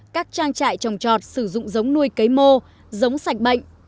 các trang trại trồng trọt sử dụng giống nuôi cấy mô giống sạch bệnh